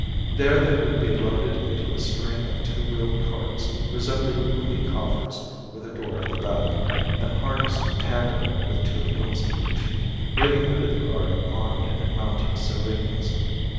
There they would be loaded into a string of two wheeled carts, resembling roomy coffers with a door at the back, and harnessed tandem with two mules each, waiting under the guard of armed and mounted serenos.